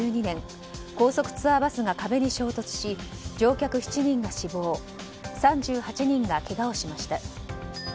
高速ツアーバスが壁に衝突し乗客７人が死亡３８人がけがをしました。